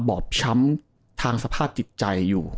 บอบช้ำทางสภาพจิตใจอยู่